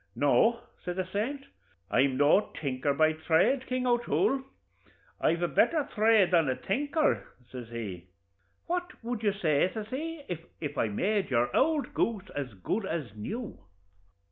'No,' says the saint; 'I'm no tinker by thrade, King O'Toole; I've a betther thrade than a tinker,' says he 'what would you say,' says he, 'if I made your ould goose as good as new?'